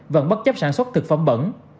vẫn bất chấp sản xuất thực phẩm bẩn